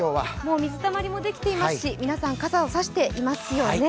水たまりもできていますし皆さん傘も差していますよね。